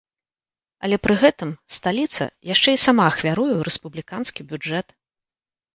Але пры гэтым сталіца яшчэ і сама ахвяруе ў рэспубліканскі бюджэт.